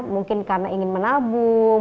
mungkin karena ingin menabuh